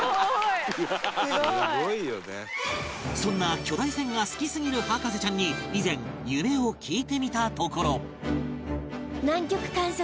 そんな巨大船が好きすぎる博士ちゃんに以前夢を聞いてみたところ